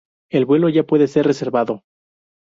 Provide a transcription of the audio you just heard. El vuelo ya puede ser reservado.